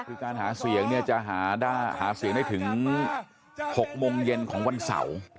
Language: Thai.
คือการหาเสียงเนี่ยจะหาเสียงได้ถึง๖โมงเย็นของวันเสาร์